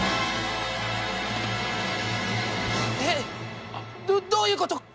えっどういうこと？